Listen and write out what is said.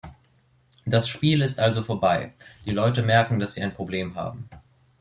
Das Spiel ist also vorbei, die Leute merken, dass Sie ein Problem haben.